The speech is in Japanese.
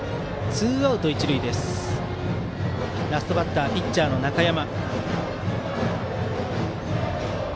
ラストバッターはピッチャーの中山。